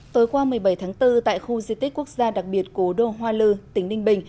tối qua một mươi bảy tháng bốn tại khu di tích quốc gia đặc biệt cố đô hoa lư tỉnh ninh bình